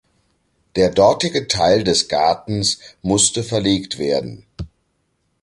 Der dortige Teil des Gartens musste verlegt werden.